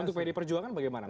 untuk pdi perjuangan bagaimana